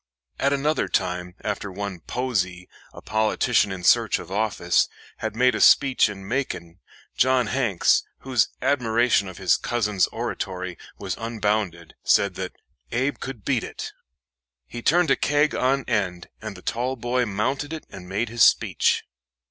At another time, after one Posey, a politician in search of office, had made a speech in Macon, John Hanks, whose admiration of his cousin's oratory was unbounded, said that "Abe could beat it." He turned a keg on end, and the tall boy mounted it and made his speech.